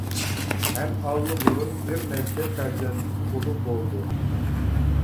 ھەم ئاللىبۇرۇن بىر نەچچە پەرزەنتلىكمۇ بولۇپ بولدى.